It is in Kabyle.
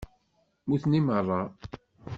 Muten i meṛṛa.